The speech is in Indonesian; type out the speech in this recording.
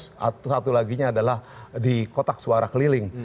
satu satunya adalah di kotak suara keliling